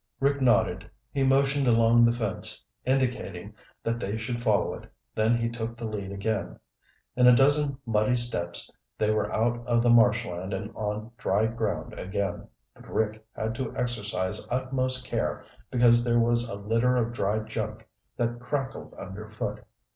Rick nodded. He motioned along the fence, indicating that they should follow it, then he took the lead again. In a dozen muddy steps they were out of the marshland and on dry ground again, but Rick had to exercise utmost care because there was a litter of dry junk that crackled underfoot.